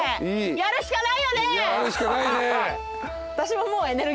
やるしかないね。